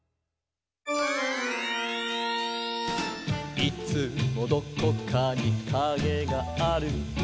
「いつもどこかにカゲがある」